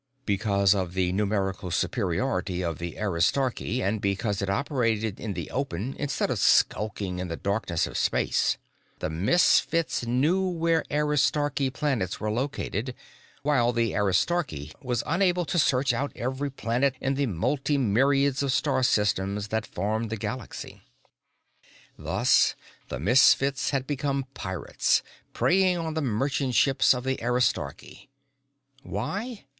Because of the numerical superiority of the Aristarchy, and because it operated in the open instead of skulking in the darkness of space, the Misfits knew where Aristarchy planets were located, while the Aristarchy was unable to search out every planet in the multimyriads of star systems that formed the galaxy. Thus the Misfits had become pirates, preying on the merchantships of the Aristarchy. Why?